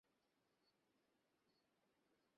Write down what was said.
আমরা করবো, রে ভাই!